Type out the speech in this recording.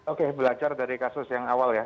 oke belajar dari kasus yang awal ya